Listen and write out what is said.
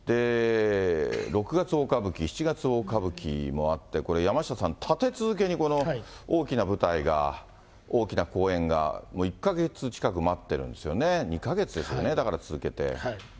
六月大歌舞伎、七月大歌舞伎もあって、これ、山下さん、立て続けに大きな舞台が、大きな公演が、１か月近く待ってるんですよね、２か月ですよね、だから続けて。